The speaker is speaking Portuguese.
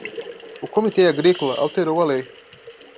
O Comitê Agrícola alterou a lei